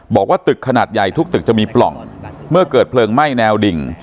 บอกว่าตึกขนาดใหญ่ทุกตึกจะมีปล่องเมื่อเกิดเพลิงไหม้แนวดิ่ง